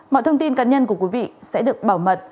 mọi thông tin cá nhân của quý vị sẽ được bảo mật